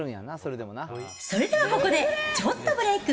それではここでちょっとブレーク。